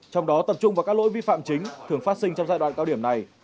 trong đó tập trung vào các lỗi vi phạm chính thường phát sinh trong giai đoạn cao điểm này